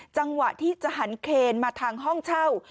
จังหวะที่จะหันเคนมาทางห้องเช่า